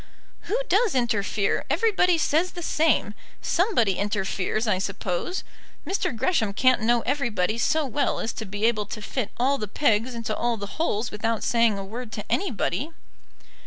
"Who does interfere? Everybody says the same. Somebody interferes, I suppose. Mr. Gresham can't know everybody so well as to be able to fit all the pegs into all the holes without saying a word to anybody."